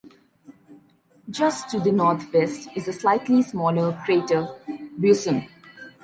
Just to the northwest is the slightly smaller crater Buisson.